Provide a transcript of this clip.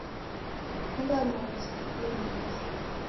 Funga momu kusengilo ni izi